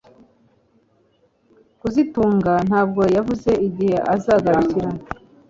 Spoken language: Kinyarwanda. kazitunga ntabwo yavuze igihe azagarukira